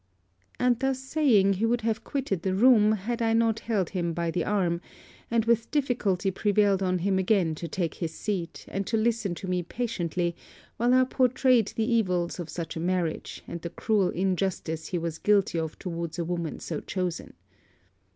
And thus saying, he would have quitted the room, had I not held him by the arm, and with difficulty prevailed on him again to take his seat, and to listen to me patiently while I pourtrayed the evils of such a marriage, and the cruel injustice he was guilty of towards a woman so chosen.